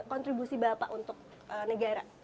kontribusi bapak untuk negara